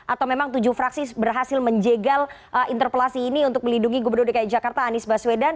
atau memang tujuh fraksi berhasil menjegal interpelasi ini untuk melindungi gubernur dki jakarta anies baswedan